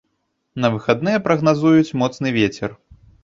На выхадныя прагназуюць моцны вецер.